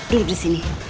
bu duduk disini